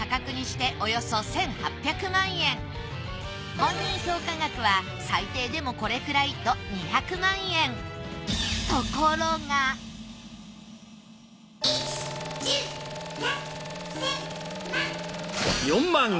本人評価額は最低でもこれくらいと２００万円え！